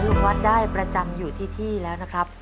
ลุงวัดได้ประจำอยู่ที่ที่แล้วนะครับ